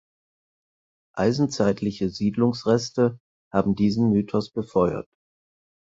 Eisenzeitliche Siedlungsreste haben diesen Mythos befeuert.